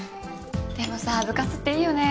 でもさ部活っていいよね。